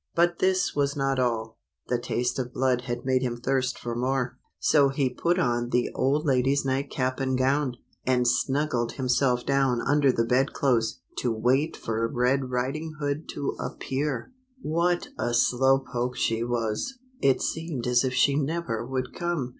But this was not all ! The taste of blood had made him thirst for more; so he put on the old lady's nightcap and gown, and snuggled himself down under the bed clothes, to wait for Red Riding Hood to appear. 51 LITTLE RED RIDING HOOD. What a slow poke she was! It seemed as if she never would come